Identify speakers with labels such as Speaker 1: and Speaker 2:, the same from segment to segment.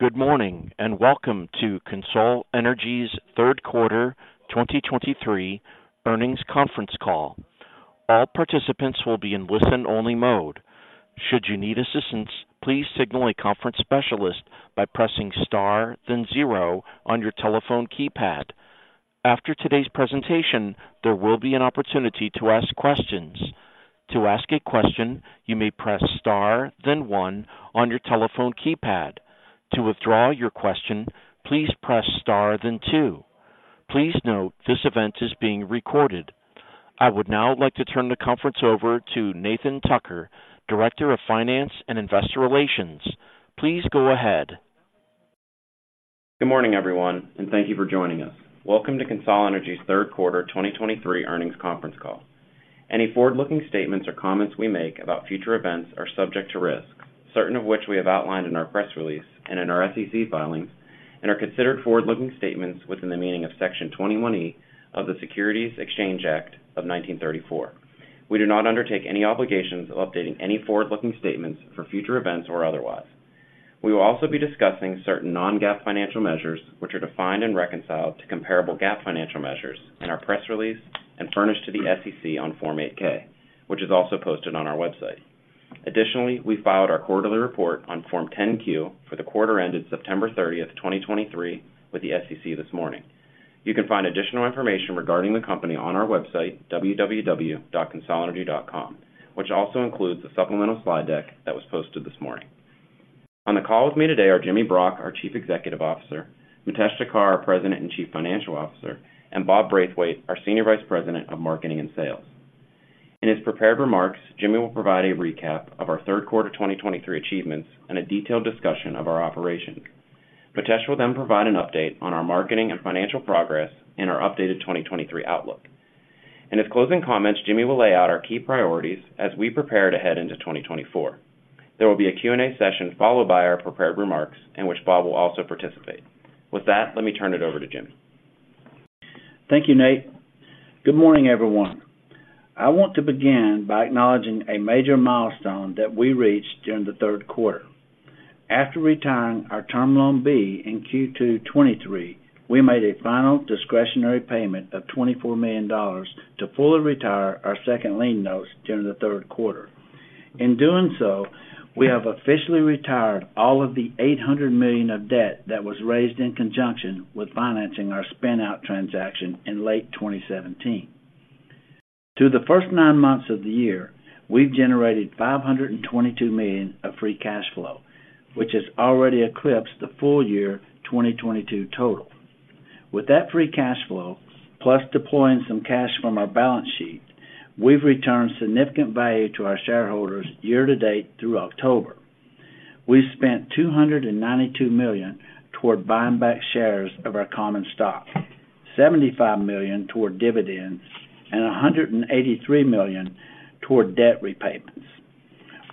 Speaker 1: Good morning, and welcome to CONSOL Energy's Third Quarter 2023 Earnings Conference Call. All participants will be in listen-only mode. Should you need assistance, please signal a conference specialist by pressing star, then zero on your telephone keypad. After today's presentation, there will be an opportunity to ask questions. To ask a question, you may press star, then one on your telephone keypad. To withdraw your question, please press star, then two. Please note, this event is being recorded. I would now like to turn the conference over to Nathan Tucker, Director of Finance and Investor Relations. Please go ahead.
Speaker 2: Good morning, everyone, and thank you for joining us. Welcome to CONSOL Energy's Third Quarter 2023 Earnings Conference Call. Any forward-looking statements or comments we make about future events are subject to risk, certain of which we have outlined in our press release and in our SEC filings, and are considered forward-looking statements within the meaning of Section 21E of the Securities Exchange Act of 1934. We do not undertake any obligations of updating any forward-looking statements for future events or otherwise. We will also be discussing certain non-GAAP financial measures, which are defined and reconciled to comparable GAAP financial measures in our press release and furnished to the SEC on Form 8-K, which is also posted on our website. Additionally, we filed our quarterly report on Form 10-Q for the quarter ended September 30, 2023, with the SEC this morning. You can find additional information regarding the company on our website, www.consolenergy.com, which also includes the supplemental slide deck that was posted this morning. On the call with me today are Jimmy Brock, our Chief Executive Officer, Mitesh Thakkar, our President and Chief Financial Officer, and Bob Braithwaite, our Senior Vice President of Marketing and Sales. In his prepared remarks, Jimmy will provide a recap of our third quarter 2023 achievements and a detailed discussion of our operations. Mitesh will then provide an update on our marketing and financial progress and our updated 2023 outlook. In his closing comments, Jimmy will lay out our key priorities as we prepare to head into 2024. There will be a Q&A session followed by our prepared remarks, in which Bob will also participate. With that, let me turn it over to Jimmy.
Speaker 3: Thank you, Nate. Good morning, everyone. I want to begin by acknowledging a major milestone that we reached during the third quarter. After retiring our Term Loan B in Q2 2023, we made a final discretionary payment of $24 million to fully retire our second lien notes during the third quarter. In doing so, we have officially retired all of the $800 million of debt that was raised in conjunction with financing our spin-out transaction in late 2017. Through the first nine months of the year, we've generated $522 million of free cash flow, which has already eclipsed the full year 2022 total. With that free cash flow, plus deploying some cash from our balance sheet, we've returned significant value to our shareholders year to date through October. We've spent $292 million toward buying back shares of our common stock, $75 million toward dividends, and $183 million toward debt repayments.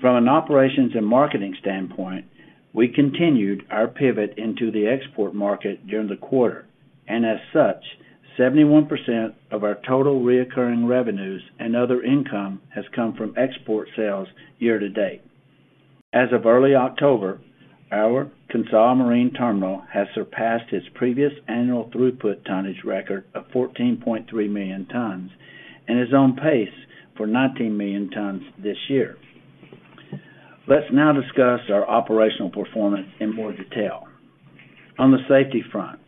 Speaker 3: From an operations and marketing standpoint, we continued our pivot into the export market during the quarter, and as such, 71% of our total recurring revenues and other income has come from export sales year to date. As of early October, our CONSOL Marine Terminal has surpassed its previous annual throughput tonnage record of 14.3 million tons and is on pace for 19 million tons this year. Let's now discuss our operational performance in more detail. On the safety front,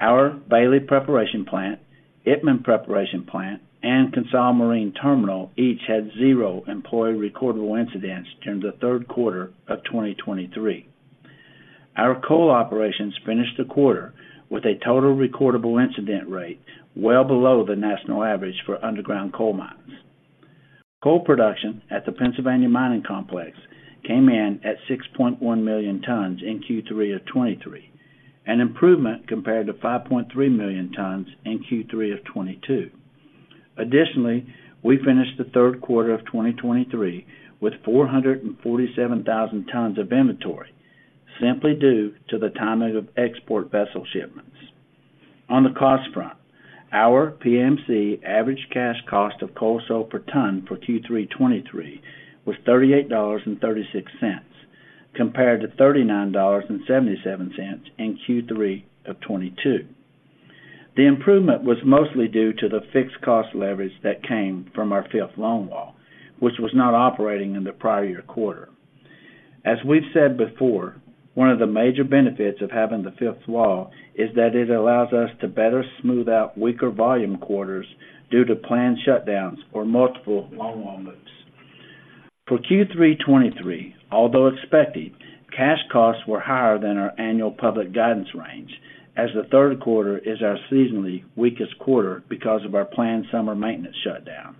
Speaker 3: our Bailey Preparation Plant, Itmann Preparation Plant, and CONSOL Marine Terminal each had zero employee-recorded incidents during the third quarter of 2023. Our coal operations finished the quarter with a total recordable incident rate well below the national average for underground coal mines. Coal production at the Pennsylvania Mining Complex came in at 6.1 million tons in Q3 2023, an improvement compared to 5.3 million tons in Q3 2022. Additionally, we finished the third quarter of 2023 with 447,000 tons of inventory, simply due to the timing of export vessel shipments. On the cost front, our PMC average cash cost of coal sold per ton for Q3 2023 was $38.36, compared to $39.77 in Q3 2022. The improvement was mostly due to the fixed cost leverage that came from our fifth longwall, which was not operating in the prior year quarter. As we've said before, one of the major benefits of having the fifth wall is that it allows us to better smooth out weaker volume quarters due to planned shutdowns or multiple longwall moves. For Q3 2023, although expected, cash costs were higher than our annual public guidance range, as the third quarter is our seasonally weakest quarter because of our planned summer maintenance shutdown.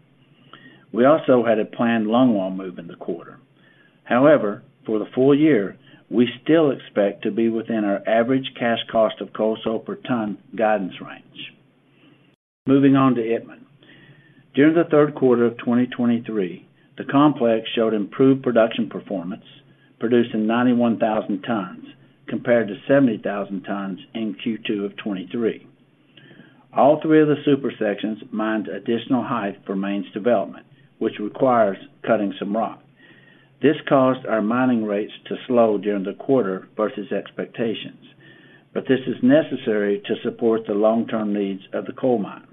Speaker 3: We also had a planned longwall move in the quarter. However, for the full year, we still expect to be within our average cash cost of coal sold per ton guidance range. Moving on to Itmann. During the third quarter of 2023, the complex showed improved production performance, producing 91,000 tons compared to 70,000 tons in Q2 of 2023. All three of the super sections mined additional height for mains development, which requires cutting some rock. This caused our mining rates to slow during the quarter versus expectations, but this is necessary to support the long-term needs of the coal mine.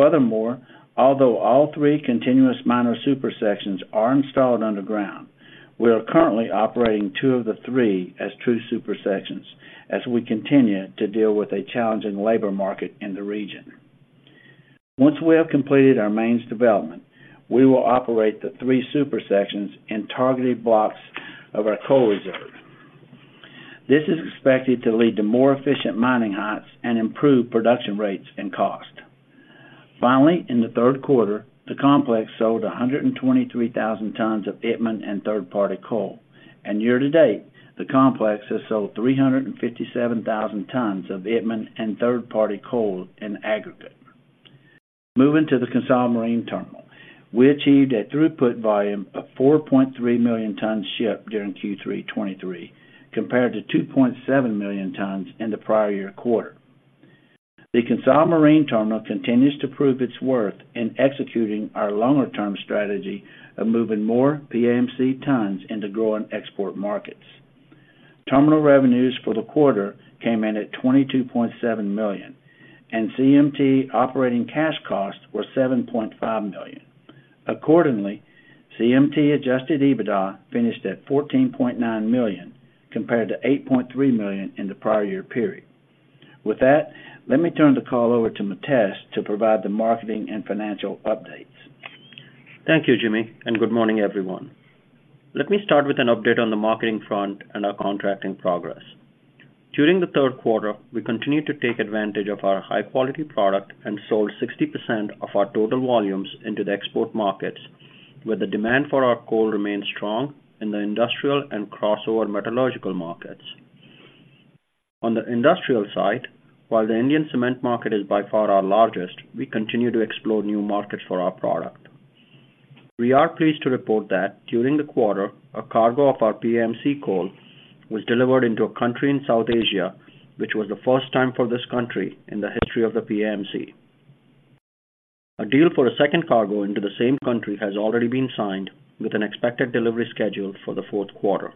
Speaker 3: Furthermore, although all three continuous miner super sections are installed underground, we are currently operating two of the three as true super sections as we continue to deal with a challenging labor market in the region. Once we have completed our mains development, we will operate the three super sections in targeted blocks of our coal reserve. This is expected to lead to more efficient mining heights and improved production rates and cost. Finally, in the third quarter, the complex sold 123,000 tons of Itmann and third-party coal, and year-to-date, the complex has sold 357,000 tons of Itmann and third-party coal in aggregate. Moving to the CONSOL Marine Terminal, we achieved a throughput volume of 4.3 million tons shipped during Q3 2023, compared to 2.7 million tons in the prior year quarter. The CONSOL Marine Terminal continues to prove its worth in executing our longer-term strategy of moving more PAMC tons into growing export markets. Terminal revenues for the quarter came in at $22.7 million, and CMT operating cash costs were $7.5 million. Accordingly, CMT adjusted EBITDA finished at $14.9 million, compared to $8.3 million in the prior year period. With that, let me turn the call over to Mitesh to provide the marketing and financial updates.
Speaker 4: Thank you, Jimmy, and good morning, everyone. Let me start with an update on the marketing front and our contracting progress. During the third quarter, we continued to take advantage of our high-quality product and sold 60% of our total volumes into the export markets, where the demand for our coal remains strong in the industrial and crossover metallurgical markets. On the industrial side, while the Indian cement market is by far our largest, we continue to explore new markets for our product. We are pleased to report that during the quarter, a cargo of our PAMC coal was delivered into a country in South Asia, which was the first time for this country in the history of the PAMC. A deal for a second cargo into the same country has already been signed, with an expected delivery schedule for the fourth quarter.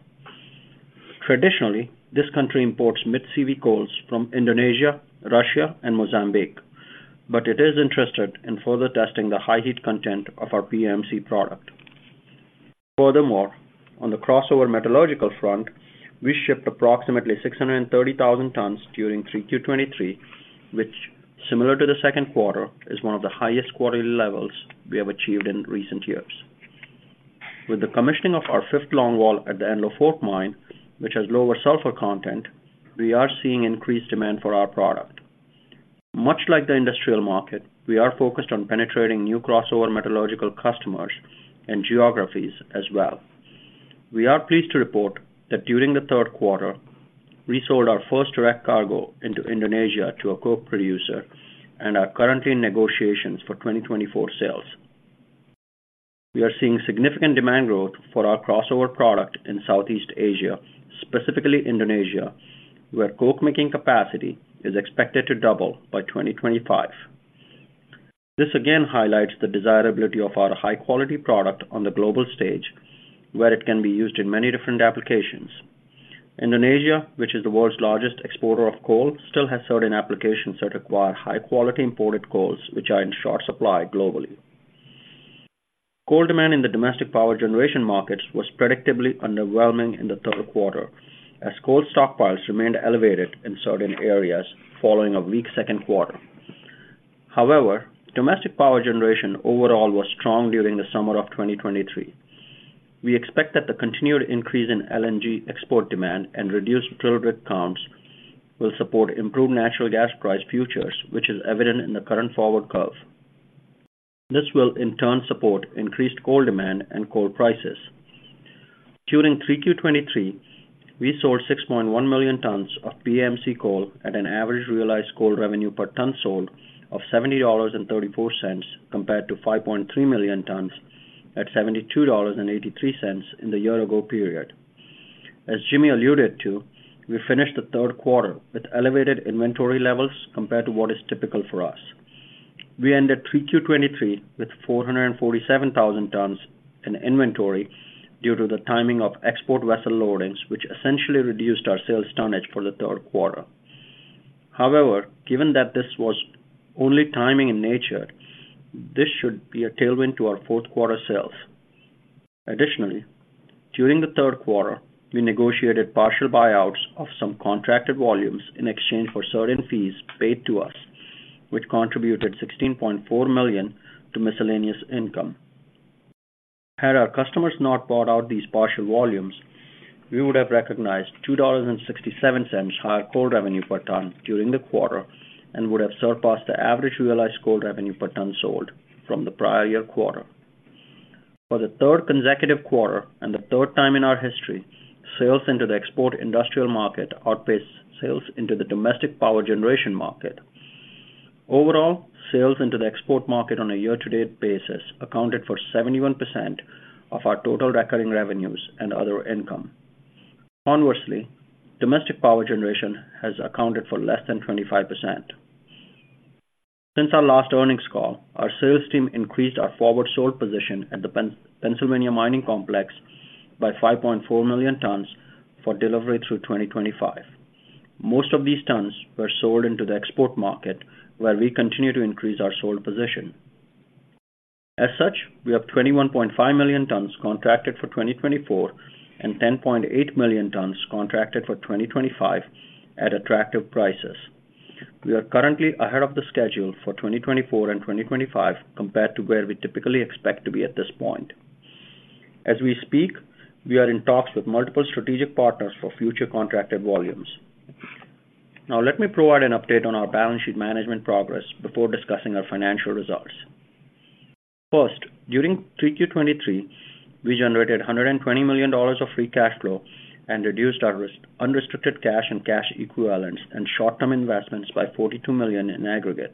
Speaker 4: Traditionally, this country imports mid CV coals from Indonesia, Russia, and Mozambique, but it is interested in further testing the high heat content of our PAMC product. Furthermore, on the crossover metallurgical front, we shipped approximately 630,000 tons during 3Q23, which, similar to the second quarter, is one of the highest quarterly levels we have achieved in recent years. With the commissioning of our fifth longwall at the Enlow Fork Mine, which has lower sulfur content, we are seeing increased demand for our product. Much like the industrial market, we are focused on penetrating new crossover metallurgical customers and geographies as well. We are pleased to report that during the third quarter, we sold our first direct cargo into Indonesia to a coke producer and are currently in negotiations for 2024 sales. We are seeing significant demand growth for our crossover product in Southeast Asia, specifically Indonesia, where coke-making capacity is expected to double by 2025. This again highlights the desirability of our high-quality product on the global stage, where it can be used in many different applications. Indonesia, which is the world's largest exporter of coal, still has certain applications that require high-quality imported coals, which are in short supply globally. Coal demand in the domestic power generation markets was predictably underwhelming in the third quarter, as coal stockpiles remained elevated in certain areas following a weak second quarter. However, domestic power generation overall was strong during the summer of 2023. We expect that the continued increase in LNG export demand and reduced thermal coals will support improved natural gas price futures, which is evident in the current forward curve. This will in turn support increased coal demand and coal prices. During 3Q 2023, we sold 6.1 million tons of PAMC coal at an average realized coal revenue per ton sold of $70.34, compared to 5.3 million tons at $72.83 in the year ago period. As Jimmy alluded to, we finished the third quarter with elevated inventory levels compared to what is typical for us. We ended 3Q 2023 with 447,000 tons in inventory due to the timing of export vessel loadings, which essentially reduced our sales tonnage for the third quarter. However, given that this was only timing in nature, this should be a tailwind to our fourth-quarter sales. Additionally, during the third quarter, we negotiated partial buyouts of some contracted volumes in exchange for certain fees paid to us, which contributed $16.4 million to miscellaneous income. Had our customers not bought out these partial volumes, we would have recognized $2.67 higher coal revenue per ton during the quarter and would have surpassed the average realized coal revenue per ton sold from the prior year quarter. For the third consecutive quarter and the third time in our history, sales into the export industrial market outpaced sales into the domestic power generation market. Overall, sales into the export market on a year-to-date basis accounted for 71% of our total recurring revenues and other income. Conversely, domestic power generation has accounted for less than 25%. Since our last earnings call, our sales team increased our forward sold position at the Pennsylvania Mining Complex by 5.4 million tons for delivery through 2025. Most of these tons were sold into the export market, where we continue to increase our sold position. As such, we have 21.5 million tons contracted for 2024, and 10.8 million tons contracted for 2025 at attractive prices. We are currently ahead of the schedule for 2024 and 2025, compared to where we typically expect to be at this point. As we speak, we are in talks with multiple strategic partners for future contracted volumes. Now let me provide an update on our balance sheet management progress before discussing our financial results. First, during 3Q 2023, we generated $120 million of free cash flow and reduced our unrestricted cash and cash equivalents and short-term investments by $42 million in aggregate.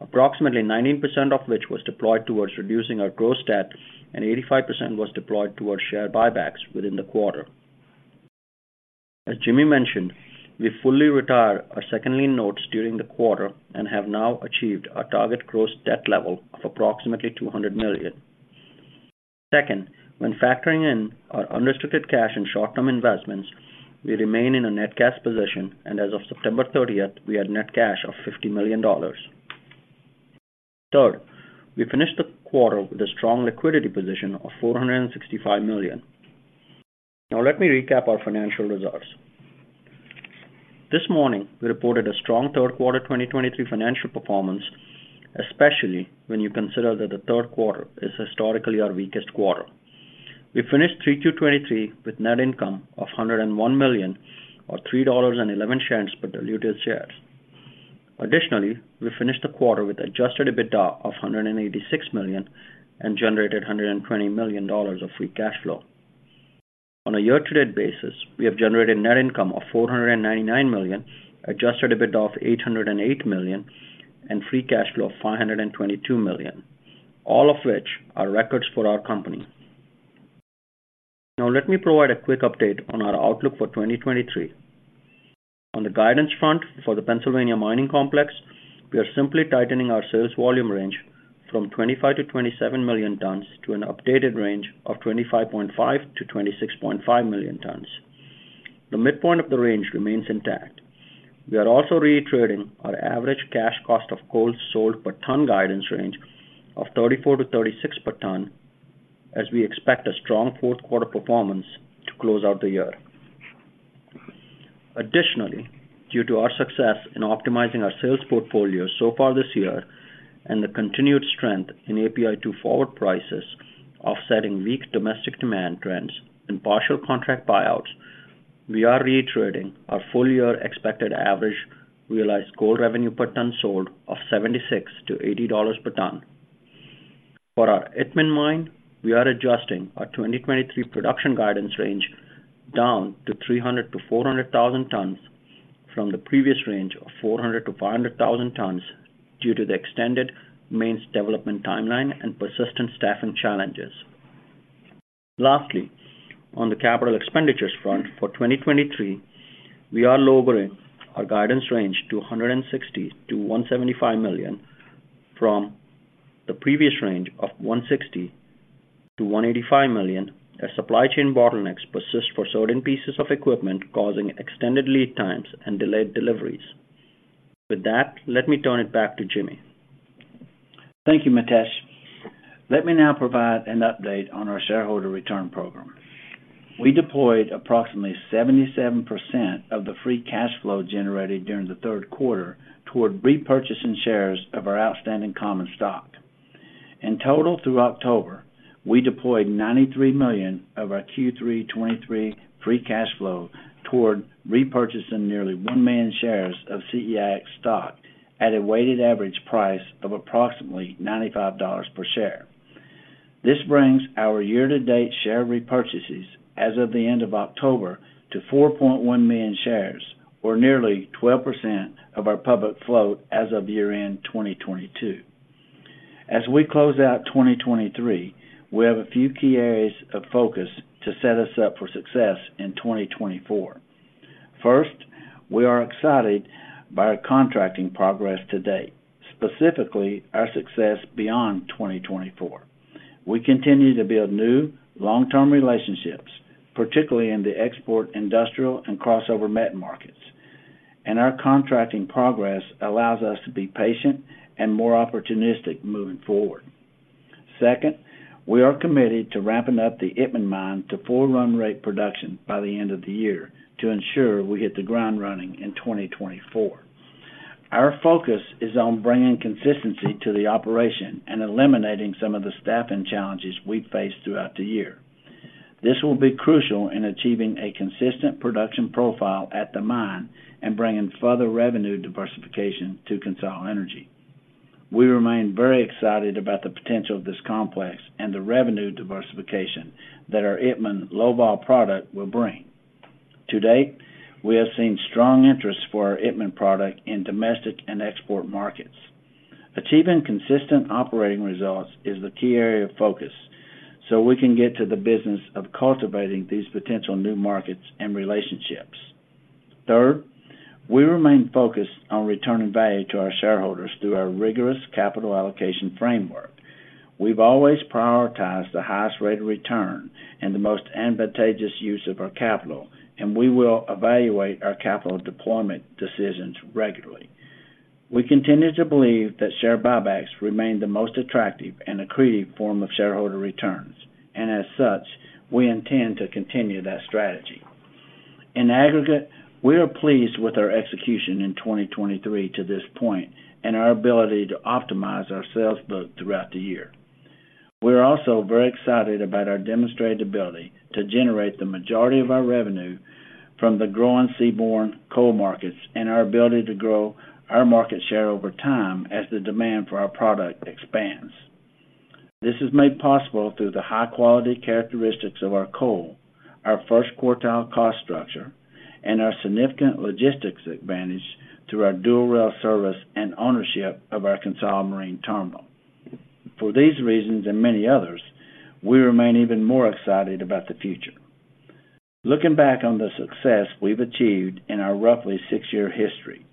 Speaker 4: Approximately 19% of which was deployed towards reducing our gross debt, and 85% was deployed towards share buybacks within the quarter. As Jimmy mentioned, we fully retired our Second Lien Notes during the quarter and have now achieved our target gross debt level of approximately $200 million. Second, when factoring in our unrestricted cash and short-term investments, we remain in a net cash position, and as of September thirtieth, we had net cash of $50 million. Third, we finished the quarter with a strong liquidity position of $465 million. Now let me recap our financial results. This morning, we reported a strong third quarter 2023 financial performance, especially when you consider that the third quarter is historically our weakest quarter. We finished 3Q 2023 with net income of $101 million, or $3.11 per diluted share. Additionally, we finished the quarter with adjusted EBITDA of $186 million and generated $120 million of free cash flow. On a year-to-date basis, we have generated net income of $499 million, adjusted EBITDA of $808 million, and free cash flow of $522 million, all of which are records for our company. Now, let me provide a quick update on our outlook for 2023. On the guidance front for the Pennsylvania Mining Complex, we are simply tightening our sales volume range from 25-27 million tons to an updated range of 25.5-26.5 million tons. The midpoint of the range remains intact. We are also reiterating our average cash cost of coal sold per ton guidance range of 34-36 per ton, as we expect a strong fourth quarter performance to close out the year. Additionally, due to our success in optimizing our sales portfolio so far this year, and the continued strength in API2 forward prices, offsetting weak domestic demand trends and partial contract buyouts, we are reiterating our full-year expected average realized coal revenue per ton sold of $76-$80 per ton. For our Itmann Mine, we are adjusting our 2023 production guidance range down to 300-400,000 tons from the previous range of 400-500,000 tons, due to the extended mains development timeline and persistent staffing challenges. Lastly, on the capital expenditures front for 2023, we are lowering our guidance range to $160 million to $175 million from the previous range of $160 million to $185 million, as supply chain bottlenecks persist for certain pieces of equipment, causing extended lead times and delayed deliveries. With that, let me turn it back to Jimmy.
Speaker 3: Thank you, Mitesh. Let me now provide an update on our shareholder return program. We deployed approximately 77% of the free cash flow generated during the third quarter toward repurchasing shares of our outstanding common stock. In total, through October, we deployed $93 million of our Q3 2023 free cash flow toward repurchasing nearly 1 million shares of CEIX stock at a weighted average price of approximately $95 per share. This brings our year-to-date share repurchases as of the end of October, to 4.1 million shares, or nearly 12% of our public float as of year-end 2022. As we close out 2023, we have a few key areas of focus to set us up for success in 2024. First, we are excited by our contracting progress to date, specifically our success beyond 2024. We continue to build new, long-term relationships, particularly in the export, industrial, and crossover met markets, and our contracting progress allows us to be patient and more opportunistic moving forward. Second, we are committed to ramping up the Itmann Mine to full run rate production by the end of the year to ensure we hit the ground running in 2024. Our focus is on bringing consistency to the operation and eliminating some of the staffing challenges we've faced throughout the year. This will be crucial in achieving a consistent production profile at the mine and bringing further revenue diversification to CONSOL Energy. We remain very excited about the potential of this complex and the revenue diversification that our Itmann low-vol product will bring. To date, we have seen strong interest for our Itmann product in domestic and export markets. Achieving consistent operating results is the key area of focus, so we can get to the business of cultivating these potential new markets and relationships. Third, we remain focused on returning value to our shareholders through our rigorous capital allocation framework. We've always prioritized the highest rate of return and the most advantageous use of our capital, and we will evaluate our capital deployment decisions regularly. We continue to believe that share buybacks remain the most attractive and accretive form of shareholder returns, and as such, we intend to continue that strategy. In aggregate, we are pleased with our execution in 2023 to this point and our ability to optimize our sales book throughout the year. We are also very excited about our demonstrated ability to generate the majority of our revenue from the growing seaborne coal markets and our ability to grow our market share over time as the demand for our product expands. This is made possible through the high-quality characteristics of our coal, our first quartile cost structure, and our significant logistics advantage through our dual rail service and ownership of our CONSOL Marine Terminal. For these reasons and many others, we remain even more excited about the future. Looking back on the success we've achieved in our roughly six-year history,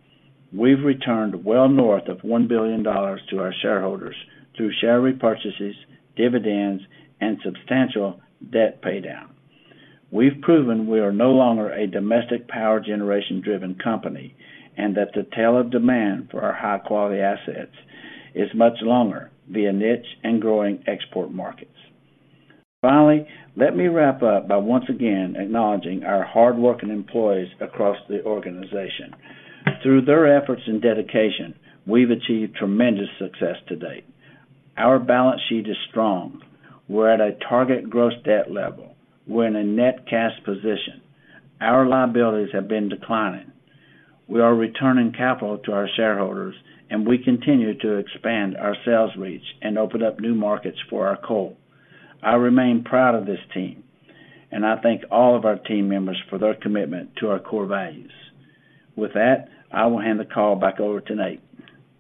Speaker 3: we've returned well north of $1 billion to our shareholders through share repurchases, dividends, and substantial debt paydown. We've proven we are no longer a domestic power generation-driven company, and that the tail of demand for our high-quality assets is much longer via niche and growing export markets. Finally, let me wrap up by once again acknowledging our hardworking employees across the organization. Through their efforts and dedication, we've achieved tremendous success to date. Our balance sheet is strong. We're at a target gross debt level. We're in a net cash position. Our liabilities have been declining. We are returning capital to our shareholders, and we continue to expand our sales reach and open up new markets for our coal. I remain proud of this team, and I thank all of our team members for their commitment to our core values. With that, I will hand the call back over to Nate.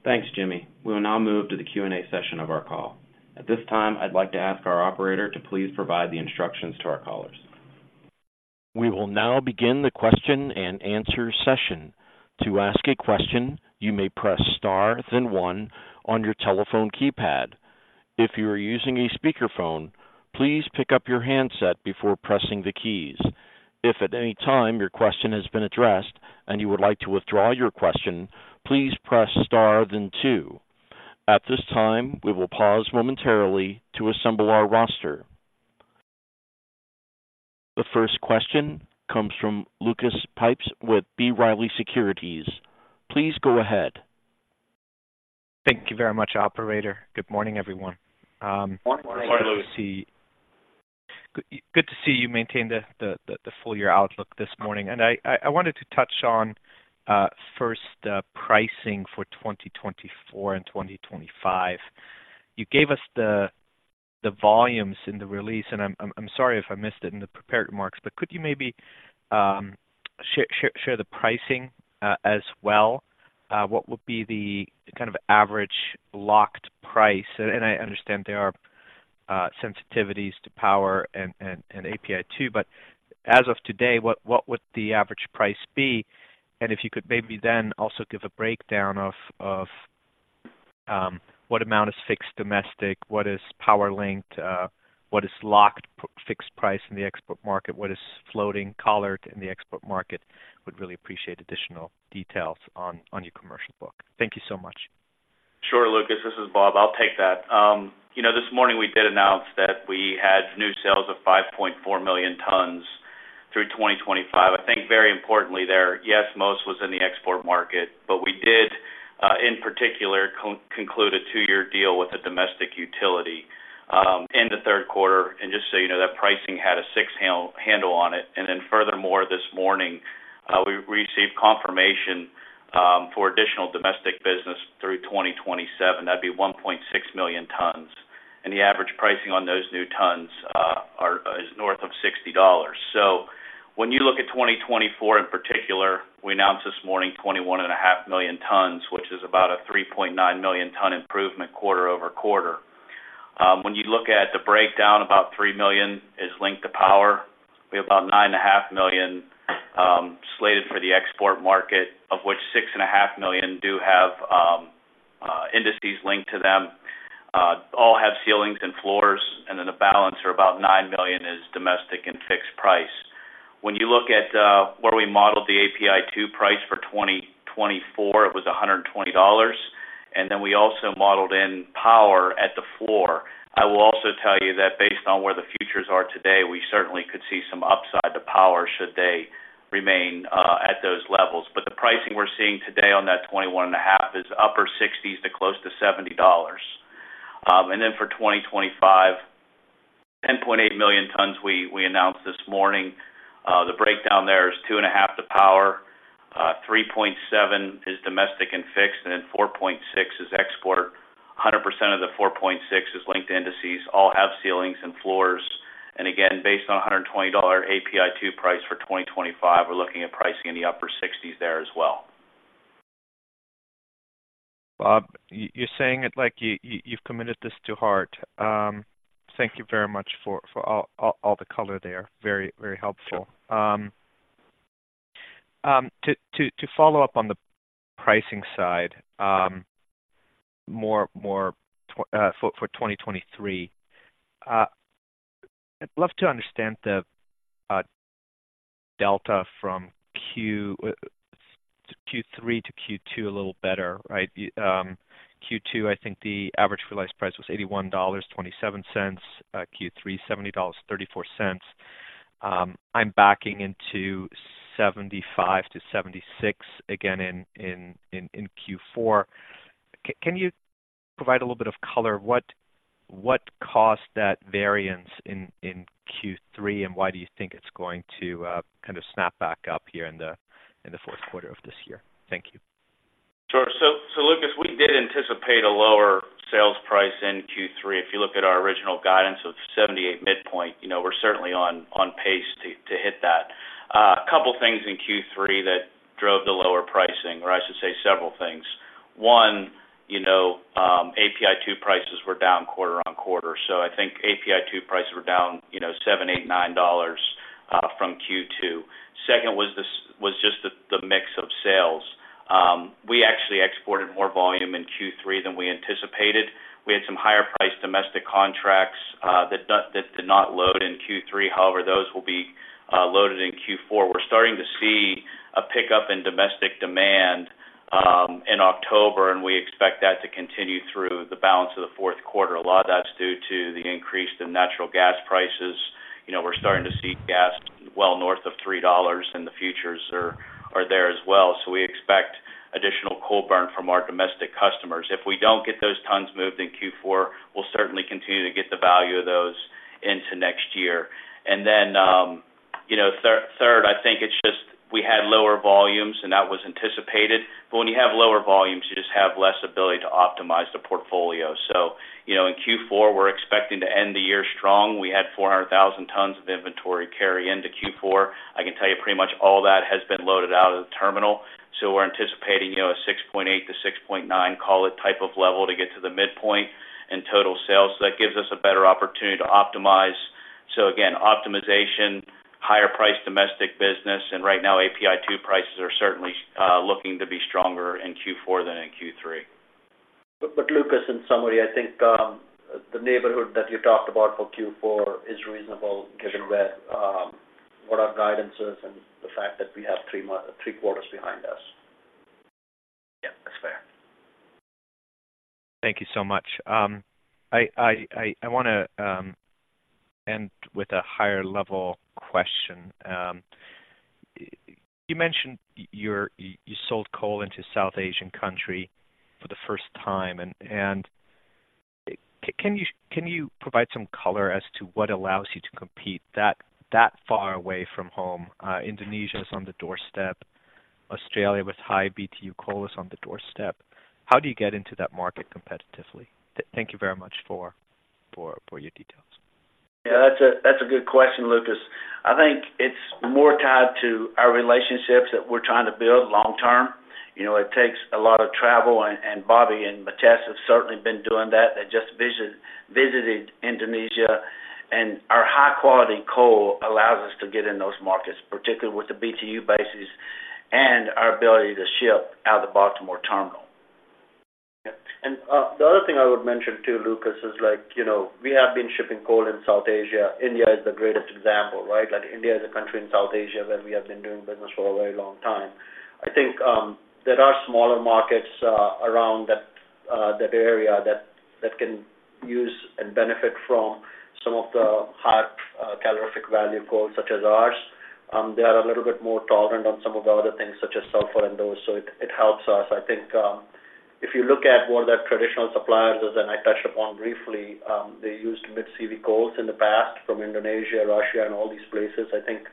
Speaker 2: Thanks, Jimmy. We will now move to the Q&A session of our call. At this time, I'd like to ask our operator to please provide the instructions to our callers.
Speaker 1: We will now begin the question-and-answer session. To ask a question, you may press Star, then one on your telephone keypad. If you are using a speakerphone, please pick up your handset before pressing the keys. If at any time your question has been addressed and you would like to withdraw your question, please press Star then two. At this time, we will pause momentarily to assemble our roster. The first question comes from Lucas Pipes with B. Riley Securities. Please go ahead.
Speaker 5: Thank you very much, operator. Good morning, everyone.
Speaker 3: Good morning, Lucas.
Speaker 5: Good to see you maintain the full year outlook this morning. And I wanted to touch on first the pricing for 2024 and 2025. You gave us the volumes in the release, and I'm sorry if I missed it in the prepared remarks, but could you maybe share the pricing as well? What would be the kind of average locked price? And I understand there are sensitivities to power and API2, but as of today, what would the average price be? And if you could maybe then also give a breakdown of what amount is fixed domestic, what is power-linked, what is locked fixed price in the export market, what is floating collared in the export market? Would really appreciate additional details on your commercial book. Thank you so much.
Speaker 6: Sure, Lucas, this is Bob. I'll take that. You know, this morning we did announce that we had new sales of 5.4 million tons through 2025. I think very importantly there, yes, most was in the export market, but we did, in particular, conclude a two-year deal with a domestic utility in the third quarter. And just so you know, that pricing had a six handle on it. And then furthermore, this morning, we received confirmation for additional domestic business through 2027. That'd be 1.6 million tons, and the average pricing on those new tons, are, is north of $60. So when you look at 2024 in particular, we announced this morning, 21.5 million tons, which is about a 3.9 million ton improvement quarter-over-quarter. When you look at the breakdown, about 3 million is linked to power. We have about 9.5 million slated for the export market, of which 6.5 million do have indices linked to them. All have ceilings and floors, and then the balance are about 9 million is domestic and fixed price. When you look at where we modeled the API2 price for 2024, it was $120, and then we also modeled in power at the floor. I will also tell you that based on where the futures are today, we certainly could see some upside to power should they remain at those levels. But the pricing we're seeing today on that 21.5 is upper $60s to close to $70. And then for 2025, 10.8 million tons, we announced this morning. The breakdown there is 2.5-3.7 is domestic and fixed, and then 4.6 is export. 100% of the 4.6 is linked to indices. All have ceilings and floors. Again, based on a $120 API2 price for 2025, we're looking at pricing in the upper 60s there as well.
Speaker 5: Bob, you're saying it like you've committed this to heart. Thank you very much for all the color there. Very helpful.
Speaker 6: Sure.
Speaker 5: To follow up on the pricing side, for 2023. I'd love to understand the delta from Q3 to Q2 a little better, right? Q2, I think the average realized price was $81.27. Q3, $70.34. I'm backing into $75-$76 again, in Q4. Can you provide a little bit of color? What caused that variance in Q3, and why do you think it's going to kind of snap back up here in the fourth quarter of this year? Thank you.
Speaker 6: Sure. So, Lucas, we did anticipate a lower sales price in Q3. If you look at our original guidance of $78 midpoint, you know, we're certainly on pace to hit that. A couple of things in Q3 that drove the lower pricing, or I should say several things. One, you know, API2 prices were down quarter-over-quarter, so I think API2 prices were down, you know, $7-$9 from Q2. Second, was just the mix of sales. We actually exported more volume in Q3 than we anticipated. We had some higher priced domestic contracts that did not load in Q3. However, those will be loaded in Q4. We're starting to see a pickup in domestic demand in October, and we expect that to continue through the balance of the fourth quarter. A lot of that's due to the increase in natural gas prices. You know, we're starting to see gas well north of $3, and the futures are there as well. So we expect additional coal burn from our domestic customers. If we don't get those tons moved in Q4, we'll certainly continue to get the value of those into next year. And then, you know, third, I think it's just we had lower volumes, and that was anticipated. But when you have lower volumes, you just have less ability to optimize the portfolio. So, you know, in Q4, we're expecting to end the year strong. We had 400,000 tons of inventory carry into Q4. I can tell you pretty much all that has been loaded out of the terminal. So we're anticipating, you know, a 6.8-6.9 call it type of level to get to the midpoint in total sales. So that gives us a better opportunity to optimize. So again, optimization, higher priced domestic business, and right now API2 prices are certainly looking to be stronger in Q4 than in Q3.
Speaker 4: But Lucas, in summary, I think, the neighborhood that you talked about for Q4 is reasonable. Given that, what our guidance is and the fact that we have three quarters behind us.
Speaker 6: Yeah, that's fair.
Speaker 5: Thank you so much. I want to end with a higher level question. You mentioned you sold coal into South Asian country for the first time, and can you provide some color as to what allows you to compete that far away from home? Indonesia is on the doorstep. Australia, with high BTU coal, is on the doorstep. How do you get into that market competitively? Thank you very much for your details.
Speaker 3: Yeah, that's a good question, Lucas. I think it's more tied to our relationships that we're trying to build long term. You know, it takes a lot of travel, and Bobby and Mitesh have certainly been doing that. They just visited Indonesia, and our high-quality coal allows us to get in those markets, particularly with the BTU basis and our ability to ship out of the Baltimore Terminal.
Speaker 4: Yeah. And, the other thing I would mention too, Lucas, is like, you know, we have been shipping coal in South Asia. India is the greatest example, right? Like India is a country in South Asia, where we have been doing business for a very long time. I think, there are smaller markets around that area that can use and benefit from some of the high calorific value coal, such as ours. They are a little bit more tolerant on some of the other things, such as sulfur and those, so it helps us. I think, if you look at what their traditional suppliers, as then I touched upon briefly, they used Mid-CV coals in the past from Indonesia, Russia, and all these places. I think,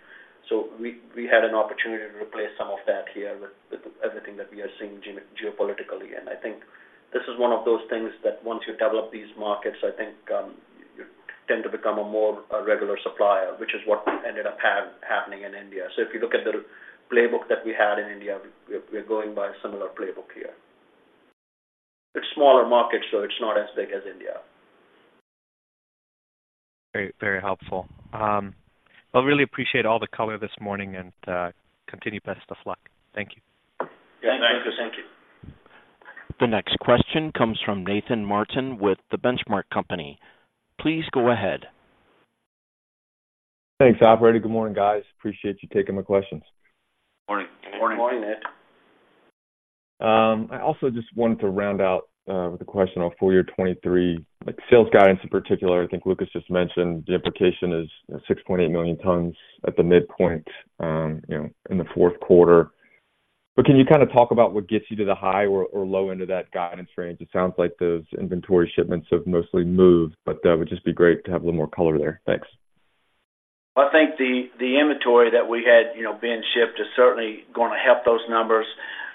Speaker 4: so we had an opportunity to replace some of that here with everything that we are seeing geopolitically. And I think this is one of those things that once you develop these markets, I think you tend to become a more regular supplier, which is what ended up happening in India. So if you look at the playbook that we had in India, we're going by a similar playbook here. It's smaller markets, so it's not as big as India.
Speaker 5: Very, very helpful. I really appreciate all the color this morning, and continue. Best of luck. Thank you.
Speaker 3: Yeah. Thank you.
Speaker 4: Thank you.
Speaker 1: The next question comes from Nathan Martin with The Benchmark Company. Please go ahead.
Speaker 7: Thanks, operator. Good morning, guys. Appreciate you taking my questions.
Speaker 4: Morning.
Speaker 3: Good morning, Nick.
Speaker 7: I also just wanted to round out with a question on full year 2023, like sales guidance in particular. I think Lucas just mentioned the implication is 6.8 million tons at the midpoint, you know, in the fourth quarter. But can you kind of talk about what gets you to the high or low end of that guidance range? It sounds like those inventory shipments have mostly moved, but it would just be great to have a little more color there. Thanks.
Speaker 3: I think the inventory that we had, you know, being shipped is certainly going to help those numbers.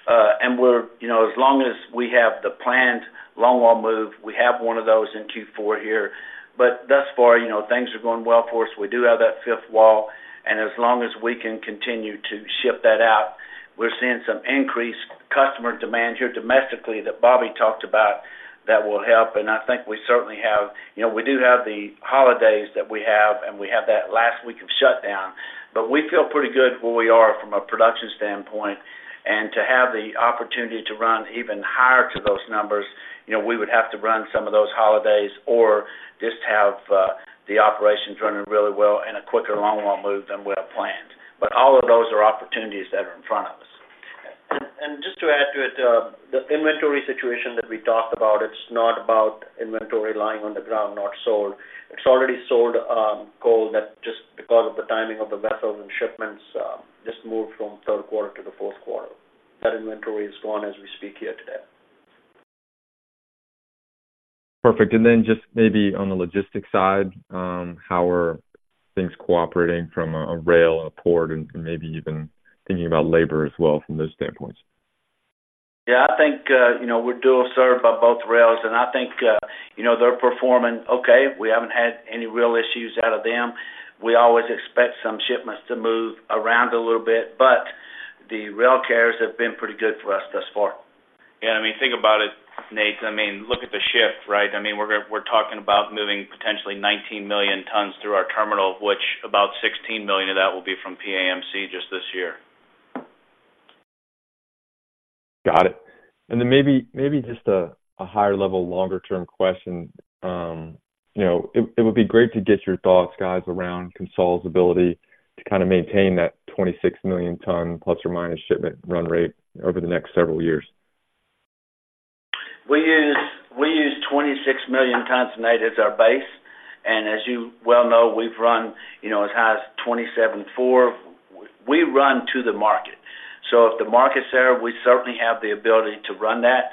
Speaker 3: And we're, you know, as long as we have the planned longwall move, we have one of those in Q4 here. But thus far, you know, things are going well for us. We do have that fifth wall, and as long as we can continue to ship that out, we're seeing some increased customer demand here domestically, that Bobby talked about, that will help. And I think we certainly have, you know, we do have the holidays that we have, and we have that last week of shutdown, but we feel pretty good where we are from a production standpoint. To have the opportunity to run even higher to those numbers, you know, we would have to run some of those holidays or just have the operations running really well and a quicker longwall move than we have planned. But all of those are opportunities that are in front of us.
Speaker 4: And just to add to it, the inventory situation that we talked about, it's not about inventory lying on the ground, not sold. It's already sold, coal, that just because of the timing of the vessels and shipments, just moved from third quarter to the fourth quarter. That inventory is gone as we speak here today.
Speaker 7: Perfect. Then just maybe on the logistics side, how are things cooperating from a rail and a port, and maybe even thinking about labor as well from those standpoints?
Speaker 3: Yeah, I think, you know, we're dual served by both rails, and I think, you know, they're performing okay. We haven't had any real issues out of them. We always expect some shipments to move around a little bit, but the rail carriers have been pretty good for us thus far.
Speaker 6: Yeah, I mean, think about it, Nate. I mean, look at the shift, right? I mean, we're talking about moving potentially 19 million tons through our terminal, which, about 16 million of that will be from PAMC just this year.
Speaker 7: Got it. Then maybe just a higher level, longer-term question. You know, it would be great to get your thoughts, guys, around CONSOL's ability to kind of maintain that 26 million ton ± shipment run rate over the next several years.
Speaker 3: We use, we use 26 million tons, Nate, as our base, and as you well know, we've run, you know, as high as 27.4. We run to the market. So if the market's there, we certainly have the ability to run that.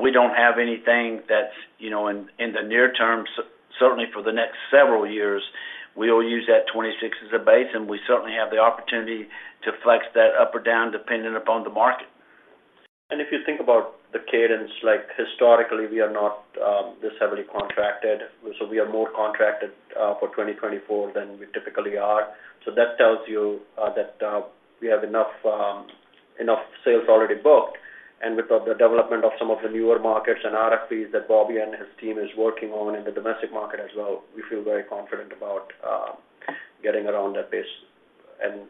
Speaker 3: We don't have anything that's, you know, in, in the near term. Certainly for the next several years, we will use that 26 as a base, and we certainly have the opportunity to flex that up or down, depending upon the market.
Speaker 4: If you think about the cadence, like historically, we are not this heavily contracted. So we are more contracted for 2024 than we typically are. So that tells you that we have enough enough sales already booked. And with the development of some of the newer markets and RFPs that Bobby and his team is working on in the domestic market as well, we feel very confident about getting around that base and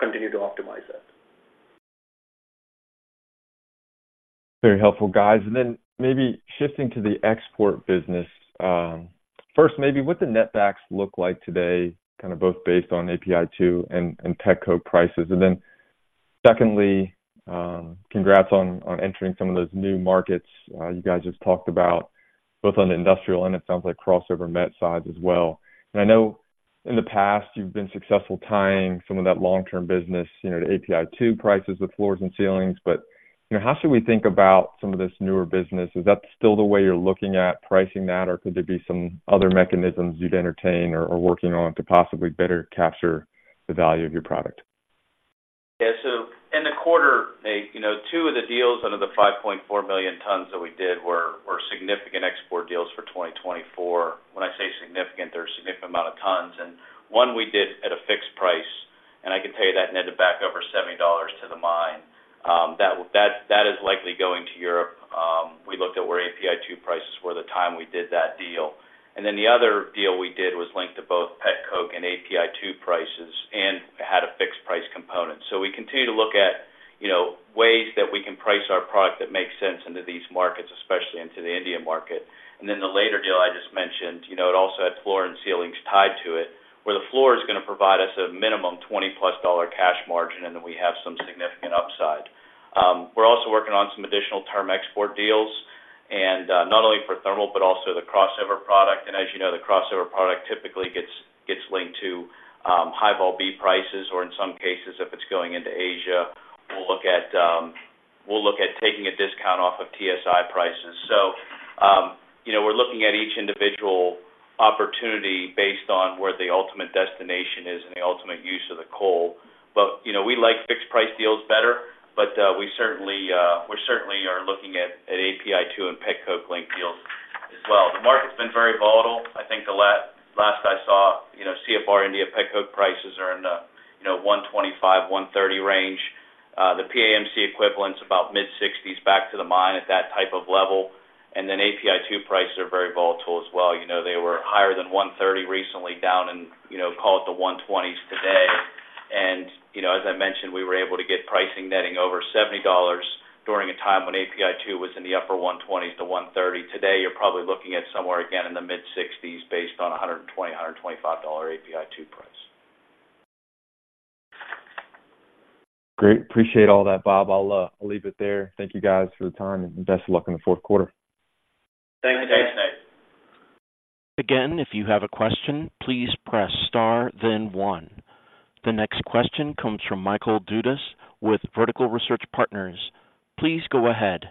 Speaker 4: continue to optimize that.
Speaker 7: Very helpful, guys. And then maybe shifting to the export business. First, maybe what the netbacks look like today, kind of both based on API2 and pet coke prices. And then secondly, congrats on entering some of those new markets you guys just talked about, both on the industrial and it sounds like crossover met side as well. And I know in the past, you've been successful tying some of that long-term business, you know, to API2 prices with floors and ceilings. But, you know, how should we think about some of this newer business? Is that still the way you're looking at pricing that, or could there be some other mechanisms you'd entertain or working on to possibly better capture the value of your product?
Speaker 6: Yeah, so in the quarter, Nate, you know, two of the deals out of the 5.4 million tons that we did were significant export deals for 2024. When I say significant, they're a significant amount of tons, and one we did at a fixed price, and I can tell you that netted back over $70 to the mine. That is likely going to Europe. We looked at where API2 prices were at the time we did that deal. And then the other deal we did was linked to both pet coke and API2 prices and had a fixed price component. So we continue to look at, you know, ways that we can price our product that makes sense into these markets, especially into the Indian market. Then the later deal I just mentioned, you know, it also had floor and ceilings tied to it, where the floor is going to provide us a minimum $20+ cash margin, and then we have some significant upside. We're also working on some additional term export deals, and not only for thermal, but also the crossover product. And as you know, the crossover product typically gets linked to High Vol B prices, or in some cases, if it's going into Asia, we'll look at taking a discount off of TSI prices. So, you know, we're looking at each individual opportunity based on where the ultimate destination is and the ultimate use of the coal. But, you know, we like fixed-price deals better, but we certainly are looking at API2 and pet coke link deals as well. The market's been very volatile. I think the last I saw, you know, CFR India pet coke prices are in the $125-$130 range. The PAMC equivalent is about mid-$60s, back to the mine at that type of level. And then API2 prices are very volatile as well. You know, they were higher than $130 recently, down in, you know, call it the $120s today. And, you know, as I mentioned, we were able to get pricing netting over $70 during a time when API2 was in the upper $120s to $130. Today, you're probably looking at somewhere again in the mid-sixties, based on a $120-$125 API2 price.
Speaker 7: Great. Appreciate all that, Bob. I'll leave it there. Thank you guys for the time, and best of luck in the fourth quarter.
Speaker 6: Thanks, Nate.
Speaker 3: Thanks, Nate.
Speaker 1: Again, if you have a question, please press star then one. The next question comes from Michael Dudas with Vertical Research Partners. Please go ahead.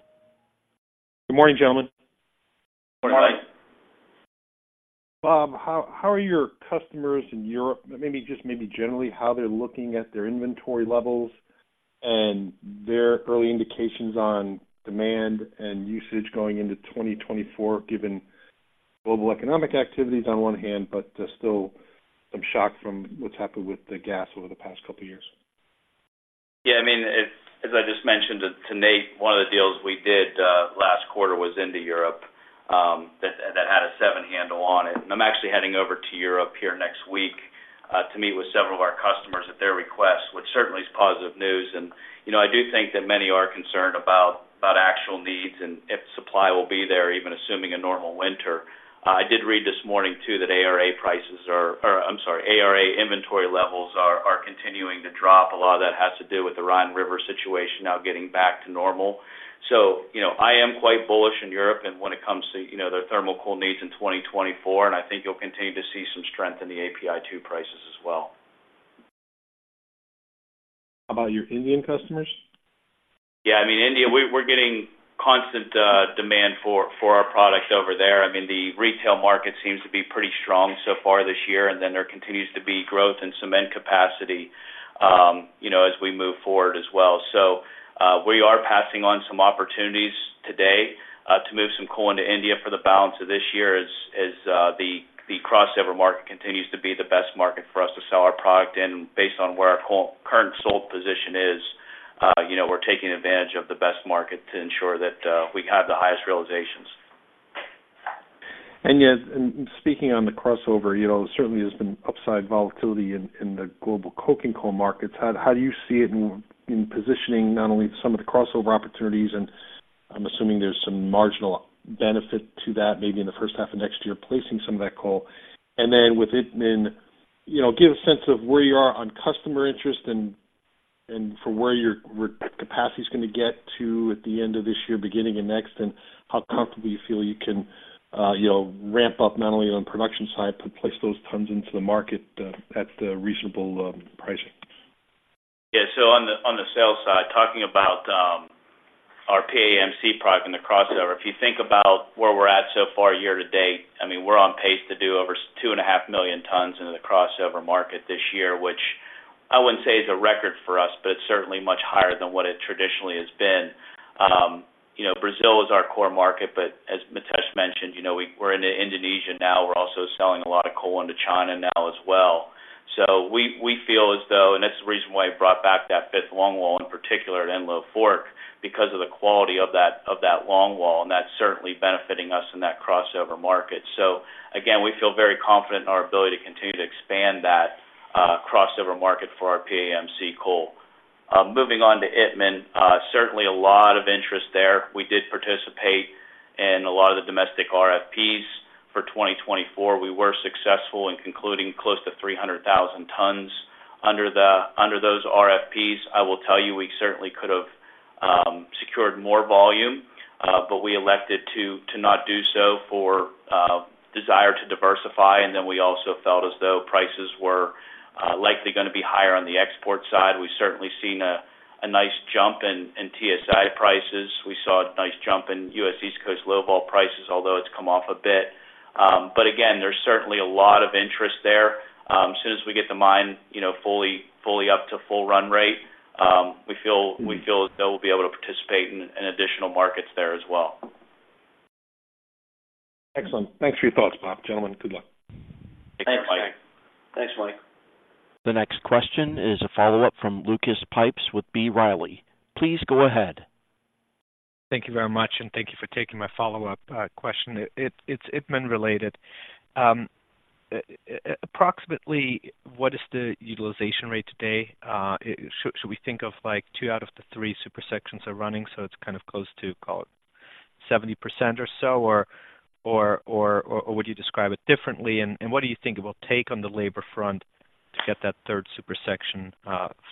Speaker 8: Good morning, gentlemen.
Speaker 3: Good morning.
Speaker 8: Bob, how are your customers in Europe? Maybe just maybe generally, how they're looking at their inventory levels and their early indications on demand and usage going into 2024, given global economic activities on one hand, but there's still some shock from what's happened with the gas over the past couple of years.
Speaker 6: Yeah, I mean, as I just mentioned to Nate, one of the deals we did last quarter was into Europe, that had a seven handle on it. And I'm actually heading over to Europe here next week to meet with several of our customers at their request, which certainly is positive news. And, you know, I do think that many are concerned about actual needs and if supply will be there, even assuming a normal winter. I did read this morning, too, that ARA inventory levels are continuing to drop. A lot of that has to do with the Rhine River situation now getting back to normal. So, you know, I am quite bullish in Europe, and when it comes to, you know, their thermal coal needs in 2024, and I think you'll continue to see some strength in the API2 prices as well.
Speaker 8: How about your Indian customers?
Speaker 6: Yeah, I mean, India, we're getting constant demand for our products over there. I mean, the retail market seems to be pretty strong so far this year, and then there continues to be growth in cement capacity, you know, as we move forward as well. So, we are passing on some opportunities today to move some coal into India for the balance of this year as the crossover market continues to be the best market for us to sell our product in. Based on where our current sold position is, you know, we're taking advantage of the best market to ensure that we have the highest realizations.
Speaker 8: And yet, speaking on the crossover, you know, certainly there's been upside volatility in the global coking coal markets. How do you see it in positioning not only some of the crossover opportunities, and I'm assuming there's some marginal benefit to that, maybe in the first half of next year, placing some of that coal? And then with it, you know, give a sense of where you are on customer interest and for where your export capacity is going to get to at the end of this year, beginning of next, and how comfortably you feel you can, you know, ramp up not only on the production side, but place those tons into the market at the reasonable pricing.
Speaker 6: Yeah. So on the sales side, talking about our PAMC product and the crossover, if you think about where we're at so far year to date, I mean, we're on pace to do over 2.5 million tons into the crossover market this year, which I wouldn't say is a record for us, but certainly much higher than what it traditionally has been. You know, Brazil is our core market, but as Mitesh mentioned, you know, we're in Indonesia now. We're also selling a lot of coal into China now as well. So we feel as though, and that's the reason why I brought back that fifth longwall, in particular at Enlow Fork, because of the quality of that longwall, and that's certainly benefiting us in that crossover market. So again, we feel very confident in our ability to continue to expand that crossover market for our PAMC coal. Moving on to Itmann, certainly a lot of interest there. We did participate in a lot of the domestic RFPs for 2024. We were successful in concluding close to 300,000 tons under those RFPs. I will tell you, we certainly could have secured more volume, but we elected to not do so for desire to diversify, and then we also felt as though prices were likely gonna be higher on the export side. We've certainly seen a nice jump in TSI prices. We saw a nice jump in U.S. East Coast low-vol prices, although it's come off a bit. But again, there's certainly a lot of interest there. As soon as we get the mine, you know, fully up to full run rate, we feel as though we'll be able to participate in additional markets there as well.
Speaker 8: Excellent. Thanks for your thoughts, Bob. Gentlemen, good luck.
Speaker 6: Thanks, Mike.
Speaker 3: Thanks, Mike.
Speaker 1: The next question is a follow-up from Lucas Pipes with B. Riley. Please go ahead.
Speaker 5: Thank you very much, and thank you for taking my follow-up question. It's Itmann related. Approximately, what is the utilization rate today? Should we think of two out of the three super sections are running, so it's close to, call it, 70% or so? Or would you describe it differently, and what do you think it will take on the labor front to get that third super section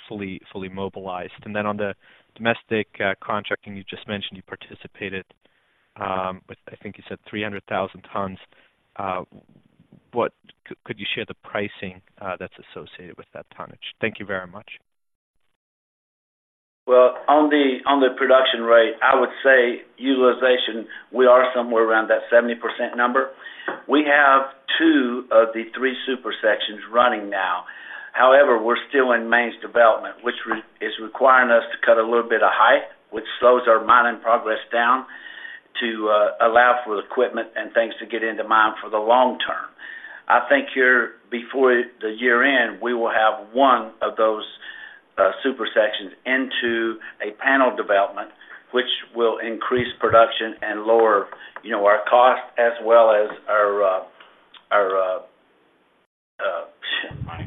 Speaker 5: fully mobilized? And then on the domestic contracting, you just mentioned you participated with, I think you said 300,000 tons. What could you share the pricing that's associated with that tonnage? Thank you very much.
Speaker 3: Well, on the production rate, I would say utilization, we are somewhere around that 70% number. We have two of the three super sections running now. However, we're still in mains development, which is requiring us to cut a little bit of height, which slows our mining progress down to allow for equipment and things to get into mine for the long term. I think here, before the year-end, we will have one of those super sections into a panel development, which will increase production and lower, you know, our cost as well as our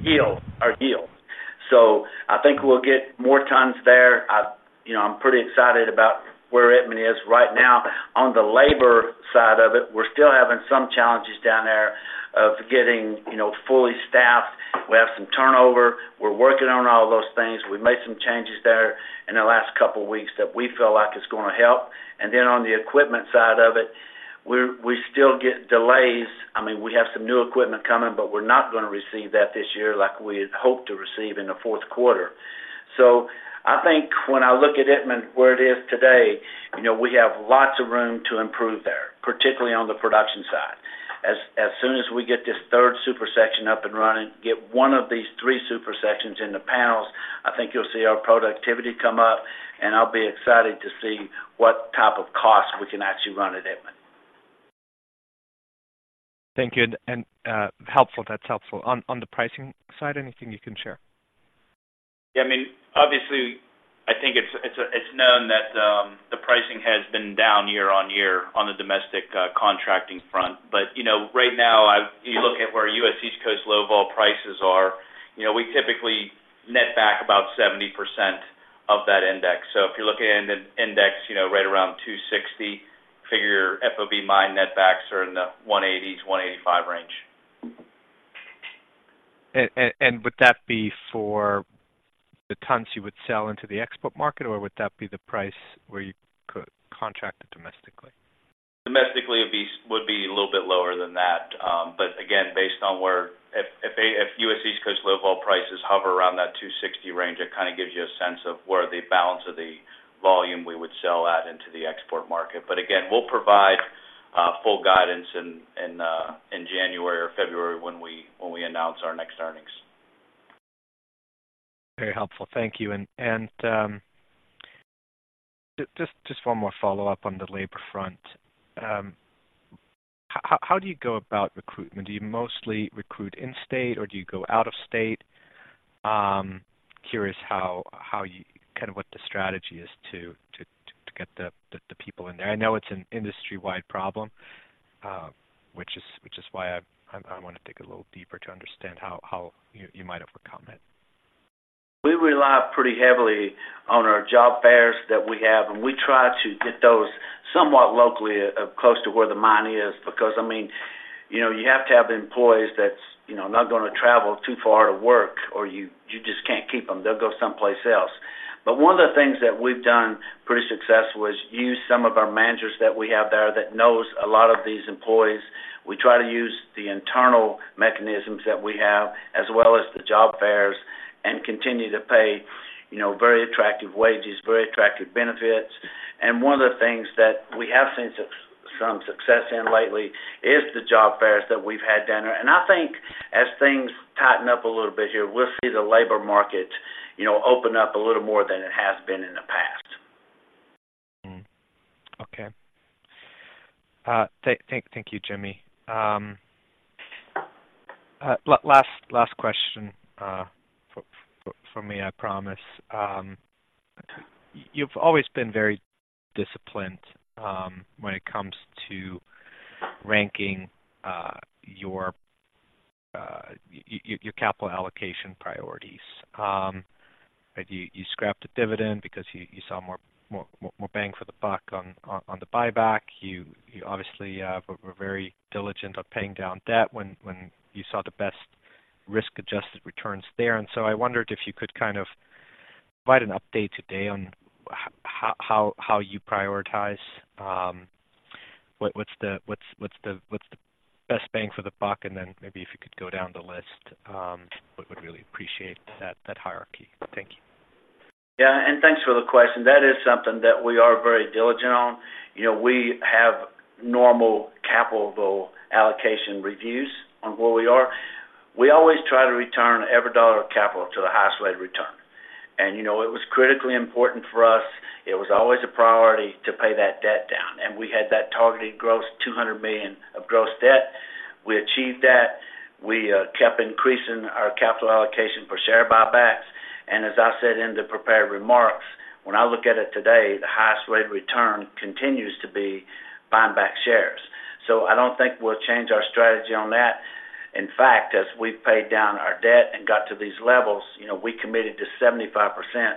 Speaker 3: yield. So I think we'll get more tons there. You know, I'm pretty excited about where Itmann is right now. On the labor side of it, we're still having some challenges down there of getting, you know, fully staffed. We have some turnover. We're working on all those things. We've made some changes there in the last couple of weeks that we feel like it's gonna help. And then on the equipment side of it, we still get delays. I mean, we have some new equipment coming, but we're not gonna receive that this year like we had hoped to receive in the fourth quarter. So I think when I look at Itmann, where it is today, you know, we have lots of room to improve there, particularly on the production side. As soon as we get this third super section up and running, get one of these three super sections in the panels, I think you'll see our productivity come up, and I'll be excited to see what type of cost we can actually run at Itmann.
Speaker 5: Thank you. And, helpful. That's helpful. On the pricing side, anything you can share?
Speaker 6: Obviously, I think it's known that the pricing has been down year-on-year on the domestic contracting front. But, you know, right now, you look at where U.S. East Coast low-vol prices are we typically net back about 70% of that index. So if you're looking at an index right around $260, figure FOB, mine backs are in the $180-$185 range.
Speaker 5: Would that be for the tons you would sell into the export market, or would that be the price where you could contract it domestically?
Speaker 6: Domestically, it would be a little bit lower than that, but again, based on where, if U.S. East Coast low vol prices hover around that $260 range, it gives you a sense of where the balance of the volume we would sell at into the export market. But again, we'll provide full guidance in January or February when we announce our next earnings.
Speaker 5: Very helpful. Thank you. Just one more follow-up on the labor front. How do you go about recruitment? Do you mostly recruit in-state, or do you go out of state? What the strategy is to get the people in there. I know it's an industry-wide problem, which is why I wanna dig a little deeper to understand how you might overcome it.
Speaker 3: We rely pretty heavily on our job fairs that we have, and we try to get those somewhat locally, close to where the mine is, because, you have to have employees that's not gonna travel too far to work, or you just can't keep them. They'll go someplace else. But one of the things that we've done pretty successfully is use some of our managers that we have there that knows a lot of these employees. We try to use the internal mechanisms that we have, as well as the job fairs, and continue to pay very attractive wages, very attractive benefits. And one of the things that we have seen some success in lately is the job fairs that we've had down there. I think as things tighten up a little bit here, we'll see the labor market, you know, open up a little more than it has been in the past.
Speaker 5: Okay. Thank you, Jimmy. Last question from me, I promise. You've always been very disciplined when it comes to ranking your capital allocation priorities. You scrapped the dividend because you saw more bang for the buck on the buyback. You obviously were very diligent on paying down debt when you saw the best risk-adjusted returns there. And so I wondered if you could kind of provide an update today on how you prioritize what's the best bang for the buck, and then maybe if you could go down the list, would really appreciate that hierarchy. Thank you.
Speaker 3: Yeah, and thanks for the question. That is something that we are very diligent on. You know, we have normal capital allocation reviews on where we are. We always try to return every dollar of capital to the highest rate of return. And, you know, it was critically important for us, it was always a priority to pay that debt down, and we had that targeted gross $200 million of gross debt. We achieved that. We kept increasing our capital allocation per share buybacks, and as I said in the prepared remarks, when I look at it today, the highest rate of return continues to be buying back shares. So I don't think we'll change our strategy on that. In fact, as we've paid down our debt and got to these levels, you know, we committed to 75%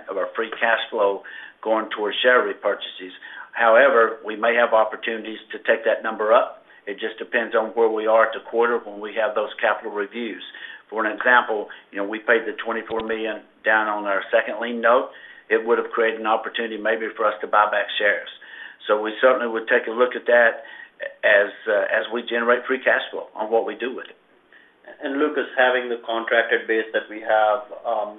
Speaker 3: of our free cash flow going towards share repurchases. However, we may have opportunities to take that number up. It just depends on where we are at the quarter when we have those capital reviews. For an example, you know, we paid the $24 million down on our Second Lien Note. It would have created an opportunity maybe for us to buy back shares. So we certainly would take a look at that as we generate free cash flow on what we do with it.
Speaker 4: And Lucas, having the contracted base that we have,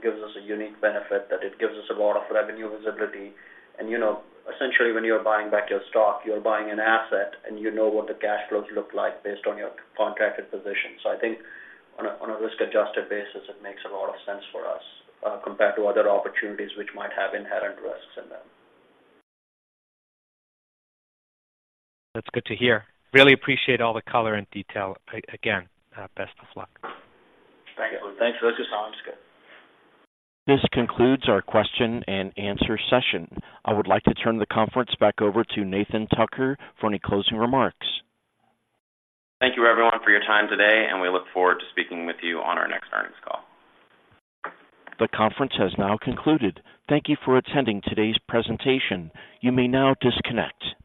Speaker 4: gives us a unique benefit, that it gives us a lot of revenue visibility. And, you know, essentially, when you are buying back your stock, you're buying an asset, and you know what the cash flows look like based on your contracted position. So I think on a risk-adjusted basis, it makes a lot of sense for us, compared to other opportunities which might have inherent risks in them.
Speaker 5: That's good to hear. Really appreciate all the color and detail. Again, best of luck.
Speaker 3: Thank you.
Speaker 4: Thanks, Lucas. Sounds good.
Speaker 1: This concludes our question and answer session. I would like to turn the conference back over to Nathan Tucker for any closing remarks.
Speaker 2: Thank you, everyone, for your time today, and we look forward to speaking with you on our next earnings call.
Speaker 1: The conference has now concluded. Thank you for attending today's presentation. You may now disconnect.